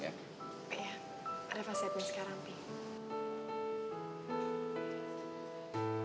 iya reva siapin sekarang papi